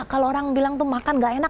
kalau orang bilang makan enggak enak